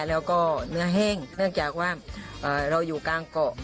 แล้วก็เนื้อแห้งเนื่องจากว่าเราอยู่กลางเกาะ